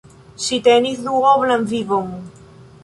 Ŝi tenis duoblan vivon.